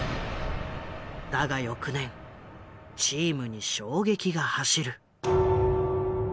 だが翌年チームに衝撃が走る。